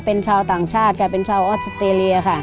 เป็นชาวต่างชาติค่ะเป็นชาวออสเตรเลียค่ะ